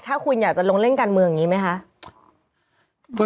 ถ้าคุณอยากจะลงเล่นการเมืองอย่างนี้ไหมคะ